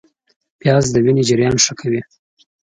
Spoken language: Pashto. پیاز د وینې جریان ښه کوي